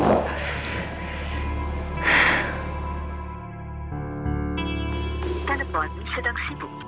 telepon sedang sibuk